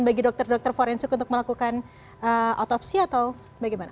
bagi dokter dokter forensik untuk melakukan otopsi atau bagaimana